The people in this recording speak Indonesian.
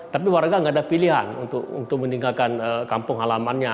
tapi warga nggak ada pilihan untuk meninggalkan kampung halamannya